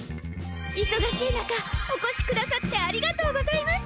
忙しい中お越し下さってありがとうございます。